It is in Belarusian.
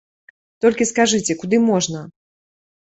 Толькі скажыце, куды можна.